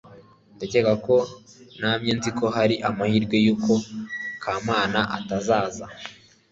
ndakeka ko namye nzi ko hari amahirwe yuko kamana atazaza